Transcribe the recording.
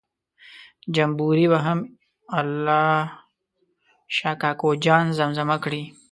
جمبوري به هم الله شا کوکو جان زمزمه کړ.